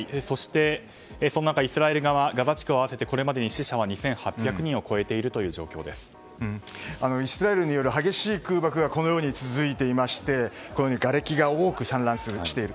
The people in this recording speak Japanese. そんな中、イスラエル側ガザ地区を合わせてこれまでに死者は２８００人をイスラエルによる激しい空爆がこのように続いていましてがれきが多く散乱している。